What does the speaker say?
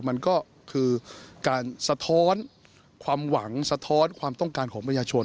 มันก็คือการสะท้อนความหวังสะท้อนความต้องการของประชาชน